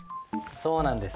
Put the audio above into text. そうなんです。